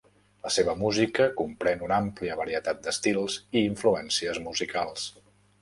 La seva música comprèn una àmplia varietat d'estils i influències musicals.